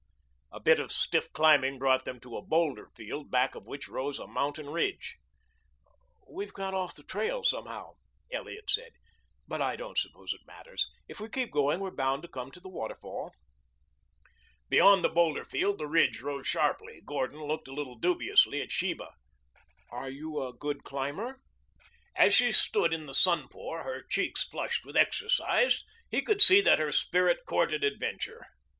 A bit of stiff climbing brought them to a boulder field back of which rose a mountain ridge. "We've got off the trail somehow," Elliot said. "But I don't suppose it matters. If we keep going we're bound to come to the waterfall." Beyond the boulder field the ridge rose sharply. Gordon looked a little dubiously at Sheba. "Are you a good climber?" As she stood in the sunpour, her cheeks flushed with exercise, he could see that her spirit courted adventure.